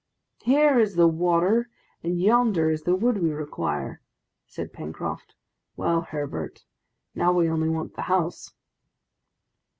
"Here is the water, and yonder is the wood we require!" said Pencroft. "Well, Herbert, now we only want the house."